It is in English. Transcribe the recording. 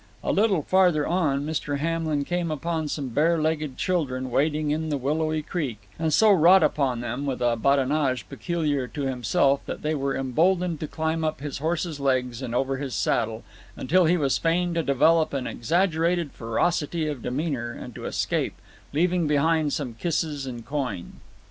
A little farther on Mr. Hamlin came upon some barelegged children wading in the willowy creek, and so wrought upon them with a badinage peculiar to himself that they were emboldened to climb up his horse's legs and over his saddle, until he was fain to develop an exaggerated ferocity of demeanor, and to escape, leaving behind some kisses and coin.